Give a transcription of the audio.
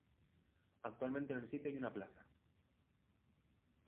Actualmente en el sitio hay una plaza.